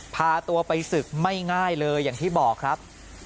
พาตัวไปศึกไม่ง่ายเลยอย่างที่บอกครับ